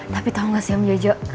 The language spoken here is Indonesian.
tapi tahu gak sih om jojo